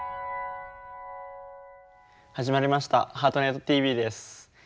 始まりました「ハートネットＴＶ」です。